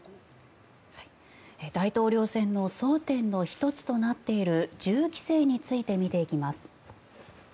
大統領選の争点の１つとなっている銃規制について見ていきます。